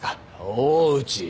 大内！